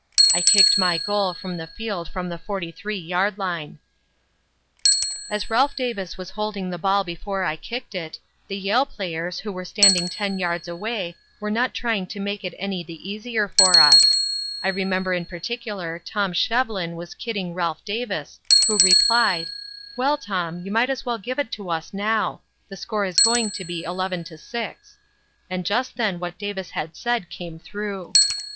I kicked my goal from the field from the 43 yard line. [Illustration: JOHN DeWITT ABOUT TO PICK UP THE BALL] "As Ralph Davis was holding the ball before I kicked it, the Yale players, who were standing ten yards away were not trying to make it any the easier for us. I remember in particular Tom Shevlin was kidding Ralph Davis, who replied: 'Well, Tom, you might as well give it to us now the score is going to be 11 6,' and just then what Davis had said came through.